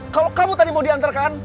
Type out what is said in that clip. kalau kamu tadi mau diantarkan